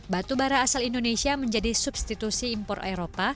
batubara asal indonesia menjadi substitusi impor eropa